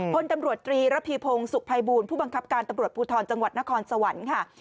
พนตำรวจทรีรภีพงศ์ไศบรรยาบุญผู้บังคับการตำรวจปูทวรจังหวัดนครสวรรค์ค่ะ